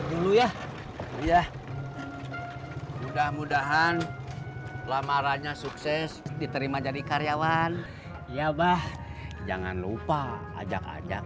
dulu ya mudah mudahan lamarannya sukses diterima jadi karyawan ya bah jangan lupa ajak ajak